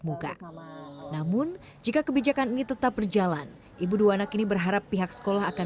muka namun jika kebijakan ini tetap berjalan ibu dua anak ini berharap pihak sekolah akan